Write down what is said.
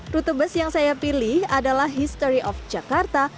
rute bus yang saya pilih adalah history of jakarta